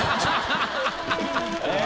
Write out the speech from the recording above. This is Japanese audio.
え？